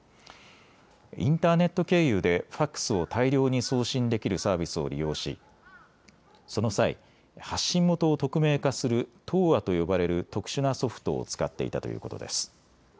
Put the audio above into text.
インターネット経由でファックスを大量に送信できるサービスを利用しその際、発信元を匿名化するＴｏｒと呼ばれる特殊なソフトを使っていたということです。